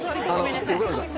横山さん。